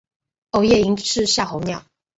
欧夜鹰是夏候鸟。